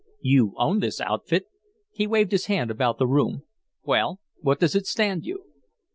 "You own this outfit?" He waved his hand about the room. "Well, what does it stand you?"